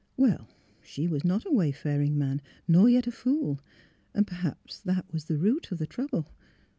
Well ; she was not a way faring man, nor yet a fool; and perhaps that was the root of the trouble.